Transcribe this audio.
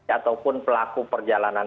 ataupun pelaku perjalanan